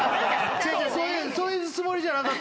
そういうつもりじゃなかった。